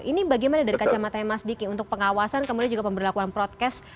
ini bagaimana dari kacamata mas diki untuk pengawasan kemudian juga pemberlakuan protes